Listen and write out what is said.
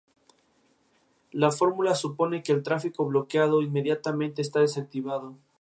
La fórmula supone que el tráfico bloqueado inmediatamente está desactivado.